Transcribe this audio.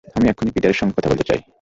আমি এক্ষুণি পিটারের সাথে কথা বলতে চাই।